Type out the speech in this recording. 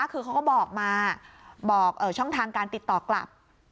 คือเขาก็บอกมาบอกช่องทางการติดต่อกลับ